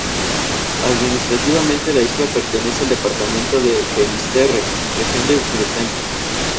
Administrativamente, la isla pertenece al departamento de Finisterre, región de Bretaña.